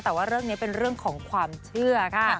แต่ว่าเรื่องนี้เป็นเรื่องของความเชื่อค่ะ